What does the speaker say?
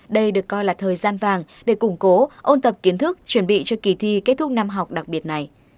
đây được coi là thời gian vàng để củng cố ôn tập kiến thức chuẩn bị cho kỳ thi kết thúc năm học đặc biệt này